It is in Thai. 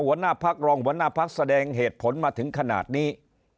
หัวหน้าพักรองหัวหน้าพักแสดงเหตุผลมาถึงขนาดนี้